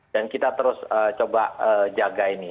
dan kita terus coba jaga ini